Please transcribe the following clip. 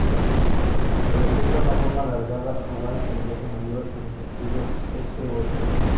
Presenta una forma alargada oval con el eje mayor en sentido este-oeste.